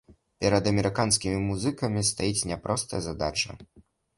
Перад амерыканскімі музыкамі стаіць няпростая задача.